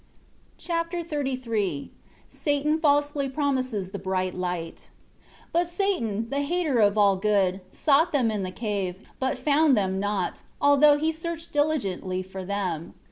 Chapter XXXIII Satan falsely promises the "bright light." 1 But Satan, the hater of all good, sought them in the cave, but found them not, although he searched diligently for them.